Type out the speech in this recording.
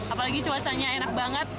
apalagi cuacanya enak banget